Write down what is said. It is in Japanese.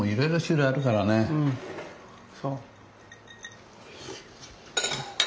そう。